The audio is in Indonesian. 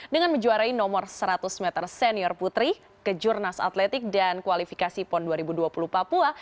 dengan menjuarai nomor seratus meter senior putri ke jurnas atletik dan kualifikasi pon dua ribu dua puluh papua